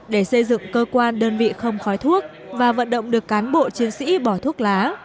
để xây dựng cơ quan đơn vị không khói thuốc và vận động được cán bộ chiến sĩ bỏ thuốc lá